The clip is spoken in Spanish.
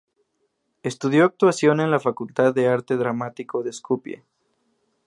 Estudió actuación en la Facultad de arte dramático de Skopie.